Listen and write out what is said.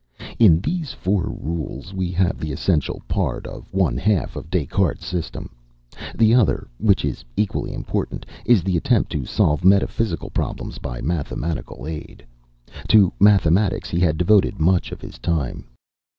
In these four rules we have the essential part of one half of Des Cartes's system, the other, which is equally important, is the attempt to solve metaphysical problems by mathematical aid. To mathematics he had devoted much of his time.